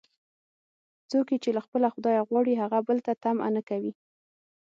څوک یې چې له خپله خدایه غواړي، هغه بل ته طمعه نه کوي.